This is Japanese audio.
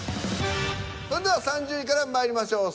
それでは３０位からまいりましょう。